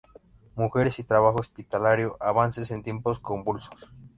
Mujeres y trabajo hospitalario, avances en tiempos convulsos.